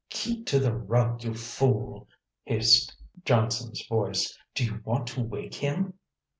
"Keep to the rug, you fool!" hissed Johnson's voice. "Do you want to wake him!"